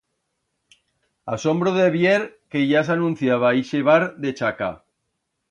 Asombro de vier que ya s'anunciaba ixe bar de Chaca.